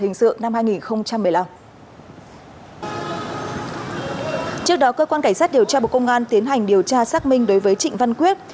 giác điều tra bộ công an tiến hành điều tra xác minh đối với trịnh văn quyết